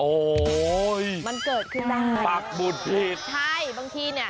โอ้โหพักบุตรผิดมันเกิดขึ้นได้